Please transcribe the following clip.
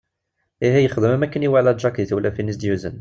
Ihi yexdem am akken iwala Jack di tewlafin i as-d-yuzen.